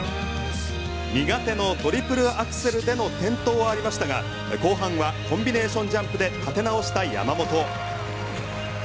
苦手のトリプルアクセルでの転倒はありましたが後半はコンビネーションジャンプで立て直した山本。